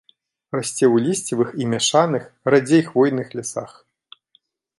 Расце ў лісцевых і мяшаных, радзей хвойных лясах.